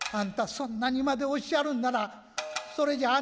そんなにまでおっしゃるんならそれじゃあんた